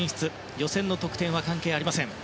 予選の得点は関係ありません。